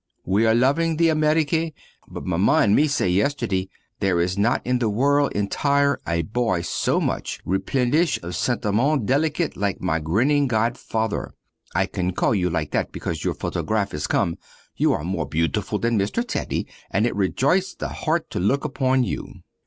We are loving all the Amerique; but Maman and me say yesterday there is not in the world entire a boy so much remplished of sentiments delicate like my grinning godfather. (I call you like that because your photography is come; you are more beautiful than Mr. Teddy and it rejoice the heart to look upon you.)